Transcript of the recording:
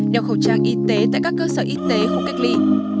đeo khẩu trang y tế tại các cơ sở y tế khu cách ly